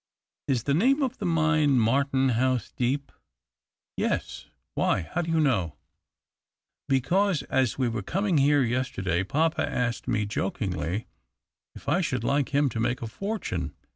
" Is the name of the mine Martenhuis Deep ?"" Yes — why ? How do you know ?"" Because, as we were coming here yester day, papa asked me jokingly if I should like him to make a fortune.